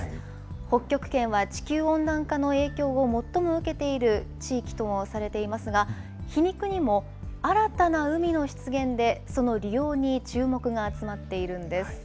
北極圏は地球温暖化の影響を最も受けている地域ともされていますが、皮肉にも、新たな海の出現で、その利用に注目が集まっているんです。